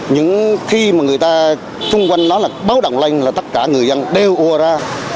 những khi mà người ta xung quanh nó là báo đoạn loanh là tất cả người dân đều ô ra